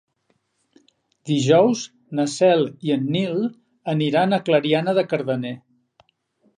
Dijous na Cel i en Nil aniran a Clariana de Cardener.